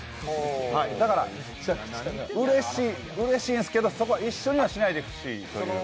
だから、うれしいんすけどそこは一緒にはしないでほしい。